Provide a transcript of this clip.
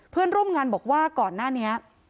เพื่อนร่วมงานบอกว่าก่อนหน้านี้